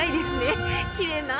きれいな。